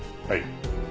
はい。